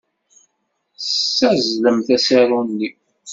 Tessazzlemt asaru-nni.